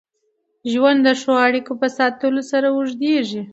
ژوند د ښو اړیکو په ساتلو سره اوږدېږي.